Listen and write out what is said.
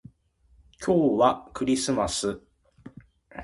今日はクリスマス